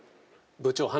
部長！